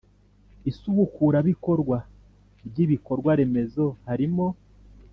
Isubukurabikorwa ry ibikorwa remezo harimo